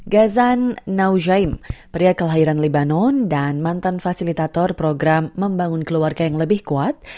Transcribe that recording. gazan naujaim pria kelahiran libanon dan mantan fasilitator program membangun keluarga yang lebih kuat